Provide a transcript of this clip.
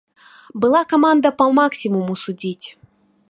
Была каманда па максімуму судзіць.